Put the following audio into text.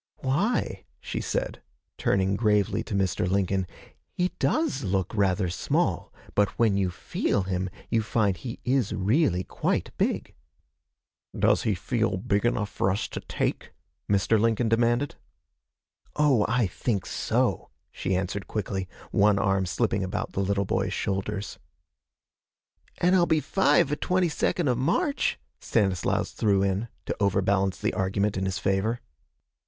'Why,' she said, turning gravely to Mr. Lincoln, 'he does look rather small, but when you feel him, you find he is really quite big.' 'Does he feel big enough for us to take?' Mr. Lincoln demanded. 'Oh, I think so!' she answered quickly, one arm slipping about the little boy's shoulders. 'An' I'll be five ve twenty second of March,' Stanislaus threw in to overbalance the argument in his favor.